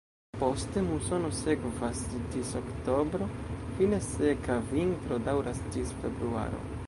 Poste musono sekvas ĝis oktobro, fine seka vintro daŭras ĝis februaro.